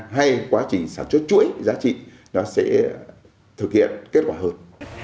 hay quá trình sản xuất chuỗi giá trị nó sẽ thực hiện kết quả hơn